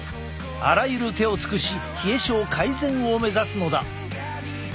あらゆる手を尽くし冷え症改善を目指すのだ。